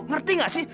ngerti gak sih